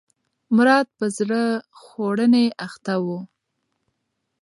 مراد په زړه خوړنې اخته و.